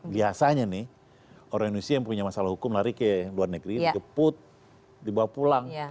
biasanya nih orang indonesia yang punya masalah hukum lari ke luar negeri dijemput dibawa pulang